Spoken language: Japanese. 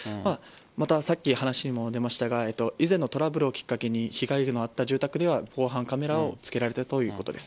また、さっき話にも出ましたが以前のトラブルをきっかけに被害があった住宅では防犯カメラをつけられたということです。